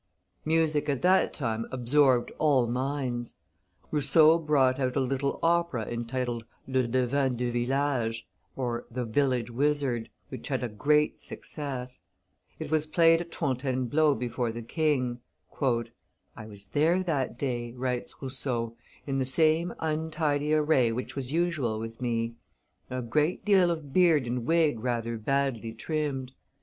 Music at that time absorbed all minds. Rousseau brought out a little opera entitled Le Devin de village (The Village Wizard), which had a great success. It was played at Fontainebleau before the king. "I was there that day," writes Rousseau, "in the same untidy array which was usual with me; a great deal of beard and wig rather badly trimmed.